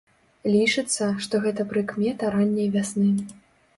Лічыцца, што гэта прыкмета ранняй вясны.